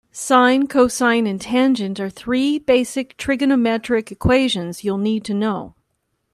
Sine, cosine and tangent are three basic trigonometric equations you'll need to know.